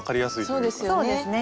そうですね。